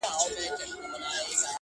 ومې ویل، چې کور ته ورسېږم بیا غږېږو